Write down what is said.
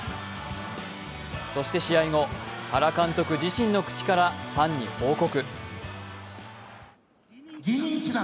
そして試合後、原監督自身の口からファンに報告。